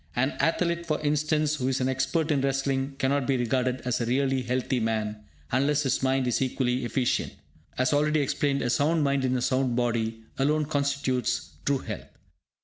An athlete, for instance, who is an expert in wrestling, cannot be regarded as a really healthy man, unless his mind is equally efficient. As already explained, "a sound mind in a sound body" alone constitutes true health.